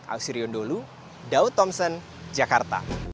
ausirion dulu daud thompson jakarta